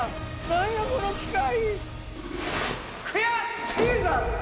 何やこの機械！